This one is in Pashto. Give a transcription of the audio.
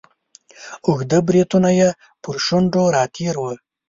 اوږده بریتونه یې تر شونډو را تیر وه.